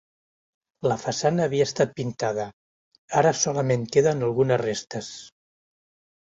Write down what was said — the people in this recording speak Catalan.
La façana havia estat pintada, ara solament queden algunes restes.